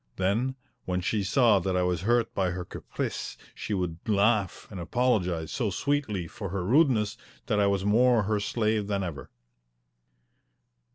Then, when she saw that I was hurt by her caprice, she would laugh and apologize so sweetly for her rudeness that I was more her slave than ever.